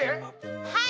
はい。